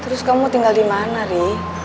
terus kamu tinggal dimana ri